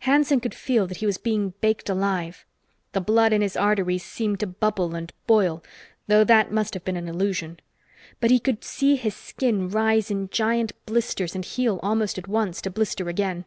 Hanson could feel that he was being baked alive. The blood in his arteries seemed to bubble and boil, though that must have been an illusion. But he could see his skin rise in giant blisters and heal almost at once to blister again.